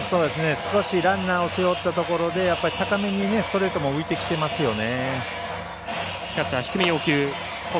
少しランナー背負ったところで高めにストレートも浮いてきてますよね。